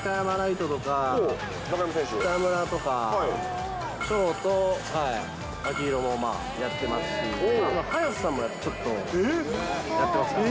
礼都とか、北村とか、翔と秋広もやってますし、坂本さんもちょっとやってますからね。